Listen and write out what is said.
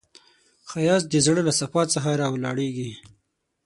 ښایست د زړه له صفا څخه راولاړیږي